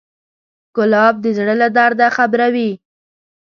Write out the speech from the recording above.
ګلاب د زړه له درده خبروي.